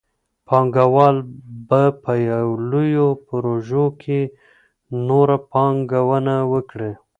پانګوال به په لويو پروژو کي نوره پانګونه وکړي.